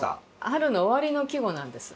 春の終わりの季語なんです。